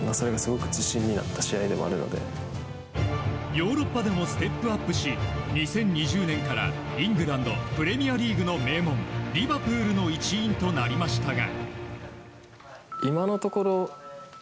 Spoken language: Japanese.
ヨーロッパでもステップアップし２０２０年からイングランド・プレミアリーグの名門リバプールの一員となりましたが。